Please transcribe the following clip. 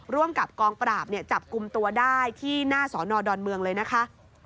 ร่วมกับกองปราบจับกลุ่มตัวได้ที่หน้าสอนอดอนเมืองเลยนะคะ